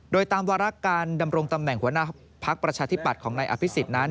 โดยตามวาระการดำรงตำแหน่งหัวหน้าพักประชาธิปัตย์ของนายอภิษฎนั้น